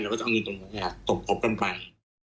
เราก็จะเอาเงินตรงไหนครับตกปรบกันไป